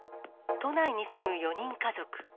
都内に住む４人家族。